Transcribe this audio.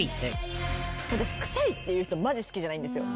私臭いっていう人マジ好きじゃないんですよ。